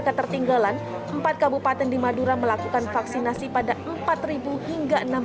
ketertinggalan empat kabupaten di madura melakukan vaksinasi pada empat ribu hingga